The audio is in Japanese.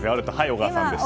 小川さんでした。